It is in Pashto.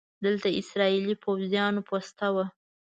دلته د اسرائیلي پوځیانو پوسته وه.